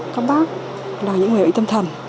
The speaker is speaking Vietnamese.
các bác là những người bệnh tâm thần